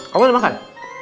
kamu udah makan